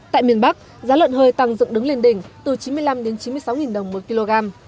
tại miền bắc giá lợn hơi tăng dựng đứng lên đỉnh từ chín mươi năm chín mươi sáu đồng một kg